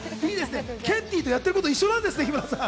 ケンティーとやってること一緒なんですね、日村さん。